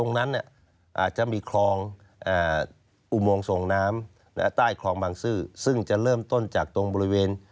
ในใต้คลองบังซื้อซึ่งจะเริ่มต้นจากตรงบริเวณ